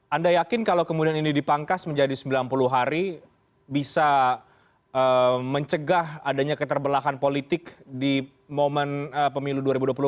anda yakin kalau kemudian ini dipangkas menjadi sembilan puluh hari bisa mencegah adanya keterbelahan politik di momen pemilu dua ribu dua puluh empat